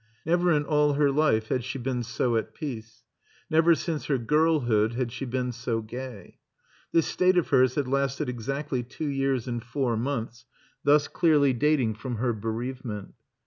Never in all her life had she been so iat peace; never since her girlhood had she been so gay. This state of hers had lasted exactly two years and four months, thus clearly dating from her bereavement.